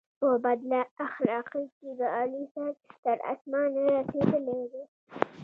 په بد اخلاقی کې د علي سر تر اسمانه رسېدلی دی.